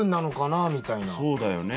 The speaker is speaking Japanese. そうだよね。